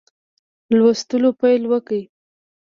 لوستلو پیل وکړ.